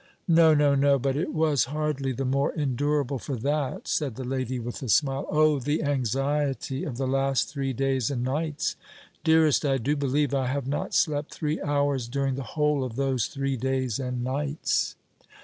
"No no no but it was hardly the more endurable for that," said the lady, with a smile. "Oh! the anxiety of the last three days and nights! Dearest, I do believe I have not slept three hours during the whole of those three days and nights!"